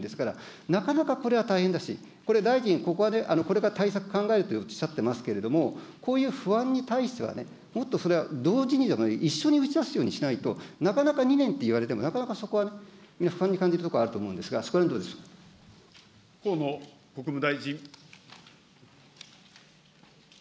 こういうのを２年で切り替えるというんですから、なかなかこれは大変だし、これ大臣、これから対策考えるというふうにおっしゃっていますけれども、こういう不安に対してはね、もっとそれは同時にでも、一緒に打ち出すようにしないと、なかなか２年っていわれても、なかなかそこはみんな不安に感じるところはあると思うんで河野国務大臣。